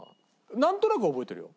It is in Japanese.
なんとなく覚えてるよ。